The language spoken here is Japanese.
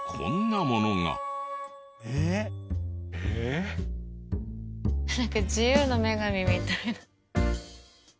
なんか自由の女神みたいな。